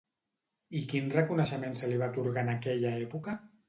I quin reconeixement se li va atorgar en aquella època?